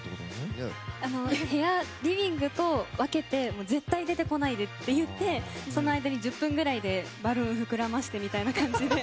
リビングと分けて絶対出てこないでっていってその間に１０分ぐらいでバルーンを膨らませてみたいな感じで。